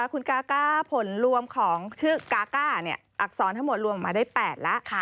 คุณกาก้าผลรวมของชื่อกาก้าอักษรทั้งหมดรวมมาได้๘แล้ว